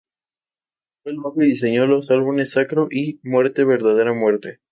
Tocó el bajo y diseñó los álbumes "Sacro" y "Muerte Verdadera Muerte".